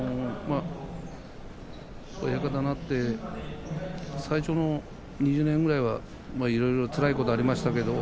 親方になって最初の２０年ぐらいはいろいろつらいことがありましたけれど